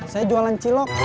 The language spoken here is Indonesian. saya jualan cilok